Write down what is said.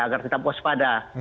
agar tetap waspada